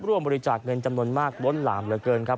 ร่วมบริจาคเงินจำนวนมากล้นหลามเหลือเกินครับ